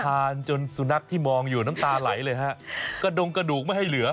จนสุนัขที่มองอยู่น้ำตาไหลเลยฮะกระดงกระดูกไม่ให้เหลือ